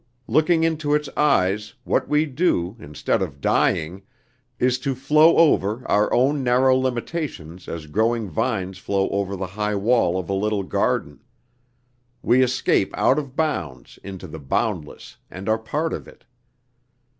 Looking into its eyes, what we do, instead of 'dying,' is to flow over our own narrow limitations as growing vines flow over the high wall of a little garden. We escape out of bounds into the boundless and are part of it.